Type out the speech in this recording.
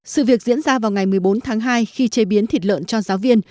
sự việc diễn ra vào ngày một mươi bốn tháng hai khi chế biến thịt lợn cho giáo viên